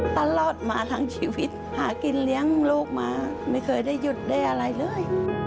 ตลอดมาทั้งชีวิตหากินเลี้ยงลูกมาไม่เคยได้หยุดได้อะไรเลย